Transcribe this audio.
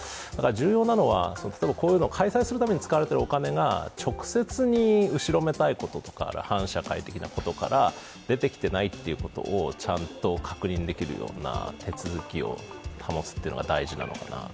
重要なのはこういうのを開催するために使われているお金が直接に後ろめたいこととか反社会的なことから出てきていないということがちゃんと確認できるような手続きを保つのが大事なのかな。